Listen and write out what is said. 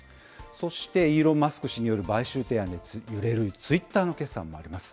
そして、イーロン・マスク氏による買収提案で揺れるツイッターの決算もあります。